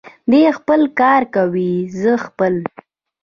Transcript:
دی خپل کار کوي، زه خپل.